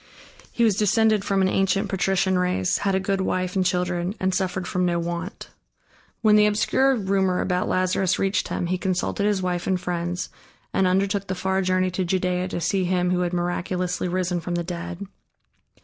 He was descended from an ancient patrician race, had a good wife and children, and suffered from no want. When the obscure rumor about Lazarus reached him, he consulted his wife and friends and undertook the far journey to Judea to see him who had miraculously risen from the dead.